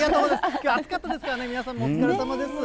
きょう、暑かったですからね、皆さんもお疲れさまです。